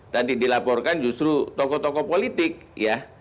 tadi dilaporkan justru tokoh tokoh politik ya